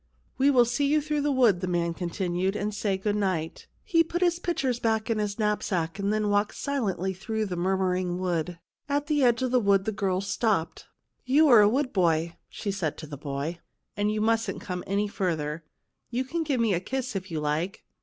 " We will see you through the wood," the man continued, "and say good night." He put his pictures back in his knapsack and then walked silently through the mur muring wood. At the edge of the wood the girl stopped. " You are a wood boy," she said to the boy, " and you mustn't come any farther. You can give me a kiss if you like."